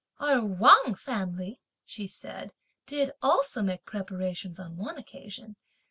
"Our Wang family," she said, "did also make preparations on one occasion.